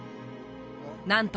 なんと